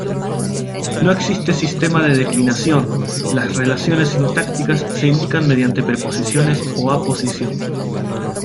No existe sistema de declinación: las relaciones sintácticas se indican mediante preposiciones o aposición.